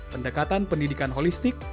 pendekatan pendidikan holistik